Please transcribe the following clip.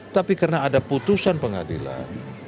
tapi karena ada putusan pengadilan